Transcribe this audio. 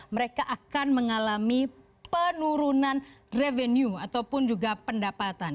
mereka akan mengalami penurunan revenue ataupun juga pendapatan